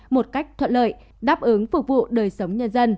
một cách thuận lợi đáp ứng phục vụ đời sống nhân dân